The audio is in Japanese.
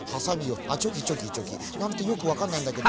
あっチョキチョキチョキ。なんてよくわかんないんだけど。